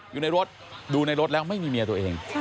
อยู่ในรถดูในรถแล้วไม่มีเมียตัวเอง